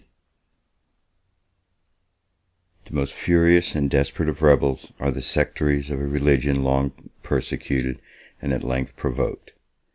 ] The most furious and desperate of rebels are the sectaries of a religion long persecuted, and at length provoked.